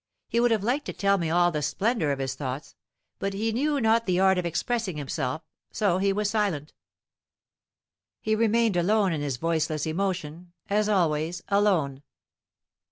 He would have liked to tell me all the splendor of his thoughts, but he knew not the art of expressing himself, so he was silent. He remained alone in his voiceless emotion, as always alone.